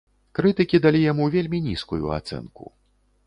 Крытыкі далі яму вельмі нізкую ацэнку.